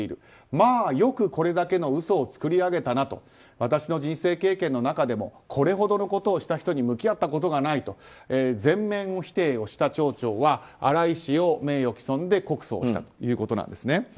まあよくこれだけの嘘を作り上げたなと私の人生経験の中でもこれほどのことをした人に向き合ったことがないと全面否定をした町長は新井氏を名誉棄損で告訴したということなんですね。